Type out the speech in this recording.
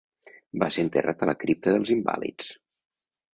Va ser enterrat a la cripta dels Invàlids.